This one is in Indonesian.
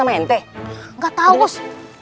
enggak tahu bos